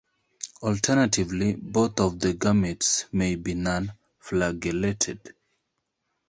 Alternatively, both of the gametes may be non-flagellated.